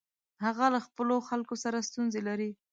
هغه له خپلو خلکو سره ستونزې لري.